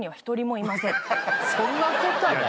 そんなこたぁない。